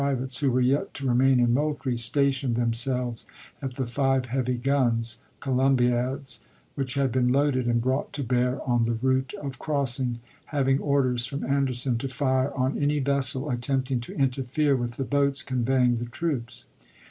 vates who were yet to remain in Moultrie, stationed themselves at the five heavy guns (columbiads), which had been loaded and brought to bear on the route of crossing,1 having orders from Anderson Fo8tei% to fire on any vessel attempting to interfere with ffiSSta the boats conveying the troops.